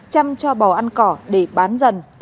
chăm cho bò ăn cỏ để bán dần